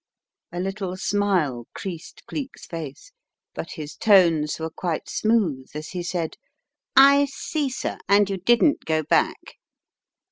A little smile creased Cleek's face, but his tones were quite smooth as he said, "I see, sir; and you didn't go bade?"